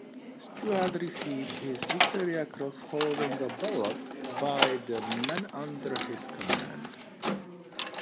Stuart received his Victoria Cross following a ballot by the men under his command.